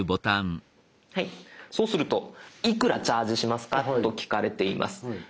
そうするといくらチャージしますかと聞かれています。